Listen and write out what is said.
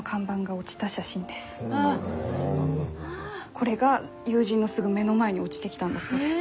これが友人のすぐ目の前に落ちてきたんだそうです。